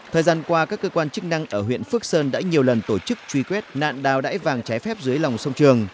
thời gian qua các cơ quan chức năng ở huyện phước sơn đã nhiều lần tổ chức truy quét nạn đào đải vàng trái phép dưới lòng sông trường